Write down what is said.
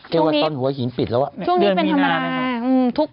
ตอนหัวหินปิดแล้วในเดือนมีนานะคะช่วงนี้เป็นที่หมาก